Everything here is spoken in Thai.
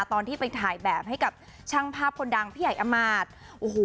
ตอนที่ไปถ่ายแบบให้กับช่างภาพคนดังพี่ใหญ่อำมาตย์โอ้โห